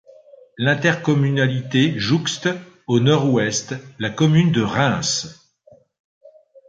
L'intercommunalité jouxte, au nord-ouest, la commune de Reims.